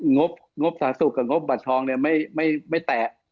งบสาธารณสุขกับงบบัตรทองไม่แตะ